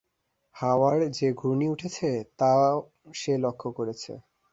হাওয়ার যে ঘূর্ণি উঠেছে, তাও সে লক্ষ করেছে।